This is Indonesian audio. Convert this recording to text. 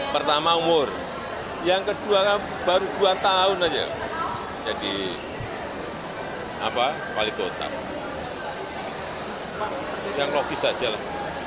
pertama umur yang kedua baru dua tahun aja jadi apa pali botak yang logis aja lah